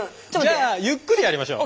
じゃあゆっくりやりましょう。